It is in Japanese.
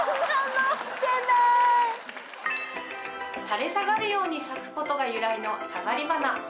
垂れ下がるように咲くことが由来のサガリバナ。